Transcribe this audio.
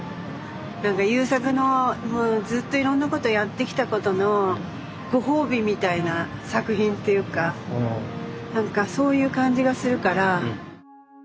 何か優作のずっといろんなことやってきたことのご褒美みたいな作品っていうか何かそういう感じがするから。